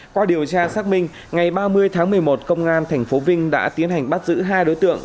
qua điều tra xác minh ngày ba mươi tháng một mươi một công an tp vinh đã tiến hành bắt giữ hai đối tượng